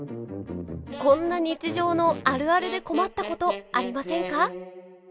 こんな日常の「あるある」で困ったことありませんか。